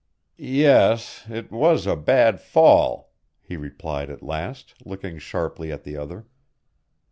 "Yes it was a bad fall," he replied at last, looking sharply at the other.